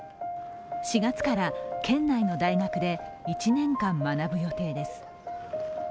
４月から県内の大学で１年間学ぶ予定です。